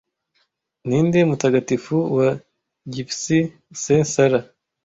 Ninde mutagatifu wa Gypsies St Sarah